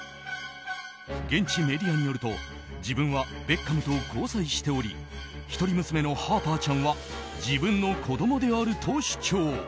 現地メディアによると自分はベッカムと交際しており一人娘のハーパーちゃんは自分の子供であると主張。